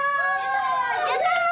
やったー！